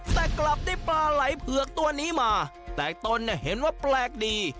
แต่กลับได้ปลาไหล่เผือกตัวนี้มาแต่ตนเนี่ยเห็นว่าแปลกดี